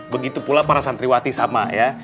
begitu pula para santriwati sama ya